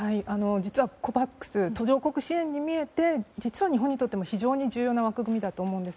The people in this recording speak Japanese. ＣＯＶＡＸは途上国支援に見えて実は日本にとっても非常に重要な枠組みだと思います。